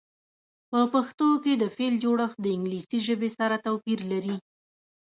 په پښتو کې د فعل جوړښت د انګلیسي ژبې سره توپیر لري.